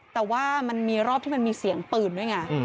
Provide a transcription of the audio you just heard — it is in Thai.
แต่ว่ามันมีรอบที่มันมีเสียงปืนด้วยไง